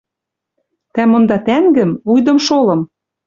Тӓ монда «тӓнгӹм» — вуйдым шолым.